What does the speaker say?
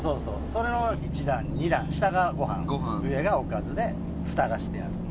それの１段２段下がご飯上がおかずでふたがしてある。